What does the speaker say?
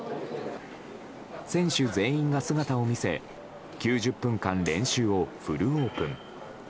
選手全員が姿を見せ９０分間練習をフルオープン。